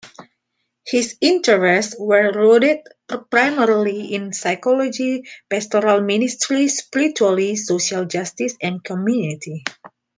His interests were rooted primarily in psychology, pastoral ministry, spirituality, social justice and community.